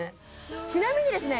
ちなみにですね